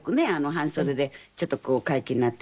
半袖でちょっとこう開襟になってた。